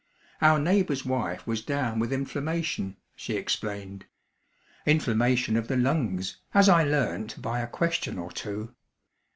Our neighbour's wife was down with inflammation, she explained inflammation of the lungs, as I learnt by a question or two.